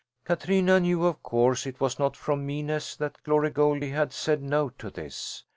Katrina knew of course it was not from meanness that Glory Goldie had said no to this.